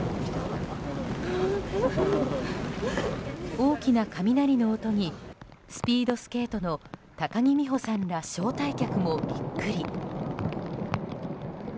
大きな雷の音にスピードスケートの高木美帆さんら招待客もビックリ。